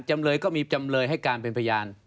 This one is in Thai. จำเลยก็มีจำเลยให้การเป็นพยาน